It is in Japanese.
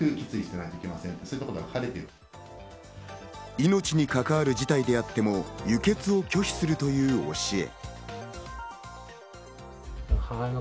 命に関わる事態であっても輸血を拒否するという教え。